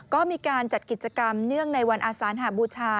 ก็มีการจัดกิจกรรมเนื่องในวันอาสานหบูชา